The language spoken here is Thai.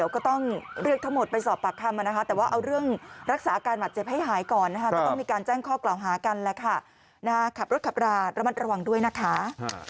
ก็ต้องไหวอยู่ดีกว่า